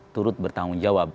turut bertanggung jawab